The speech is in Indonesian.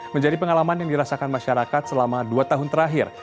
menjadi pengalaman yang dirasakan masyarakat selama dua tahun terakhir